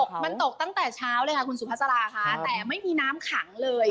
มันตกตั้งแต่เช้าเลยค่ะคุณสุภาษาราค่ะแต่ไม่มีน้ำขังเลย